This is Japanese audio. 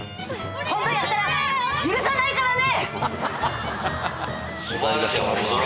今度やったら許さないからね。